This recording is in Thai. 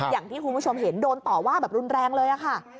อย่างที่คุณผู้ชมเห็นโดนต่อว่าแบบรุนแรงเลยค่ะ